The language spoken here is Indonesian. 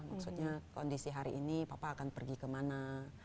maksudnya kondisi hari ini papa akan pergi kemana